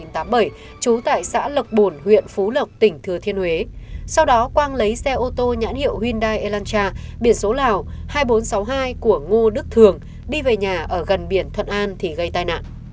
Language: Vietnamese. trú tại xã lộc bùn huyện phú lộc tỉnh thừa thiên huế sau đó quang lấy xe ô tô nhãn hiệu hyundai elancha biển số lào hai nghìn bốn trăm sáu mươi hai của ngô đức thường đi về nhà ở gần biển thuận an thì gây tai nạn